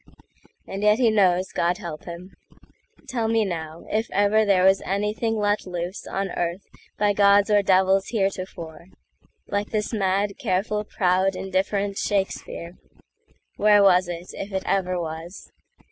And yet he knows, God help him! Tell me, now, If ever there was anything let looseOn earth by gods or devils heretoforeLike this mad, careful, proud, indifferent Shakespeare! Where was it, if it ever was?